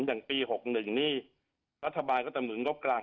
อย่างปี๖๑นี่รัฐบาลก็ตำหนุนงบกลาง